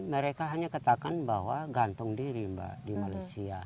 mereka hanya katakan bahwa gantung diri mbak di malaysia